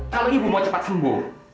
kalau ibu mau cepat sembuh